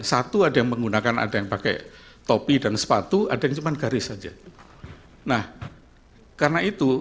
satu ada yang menggunakan ada yang pakai topi dan sepatu ada yang cuma garis saja nah karena itu